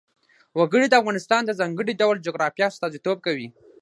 وګړي د افغانستان د ځانګړي ډول جغرافیه استازیتوب کوي.